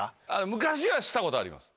昔はしたことあります。